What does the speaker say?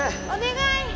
お願い！